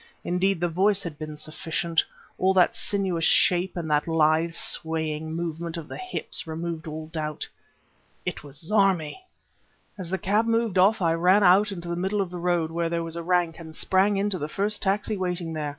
Indeed, the voice had been sufficient; but that sinuous shape and that lithe swaying movement of the hips removed all doubt. It was Zarmi! As the cab moved off I ran out into the middle of the road, where there was a rank, and sprang into the first taxi waiting there.